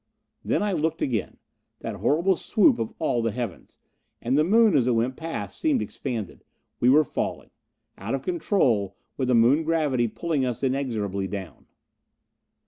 Then I looked again. That horrible swoop of all the heavens! And the Moon, as it went past, seemed expanded. We were falling! Out of control, with the Moon gravity pulling us inexorably down!